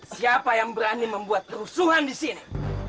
siapa yang berani membuat kerusuhan di sini